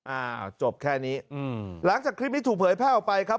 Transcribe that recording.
อ่าจบแค่นี้อืมหลังจากคลิปนี้ถูกเผยแพร่ออกไปครับ